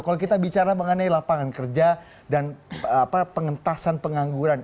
kalau kita bicara mengenai lapangan kerja dan pengentasan pengangguran